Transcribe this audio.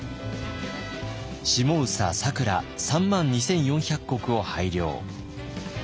下総佐倉３万２，４００石を拝領。